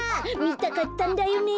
みたかったんだよね。